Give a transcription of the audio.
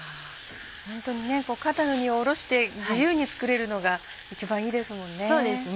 ホントにね肩の荷を下ろして自由に作れるのが一番いいですもんね。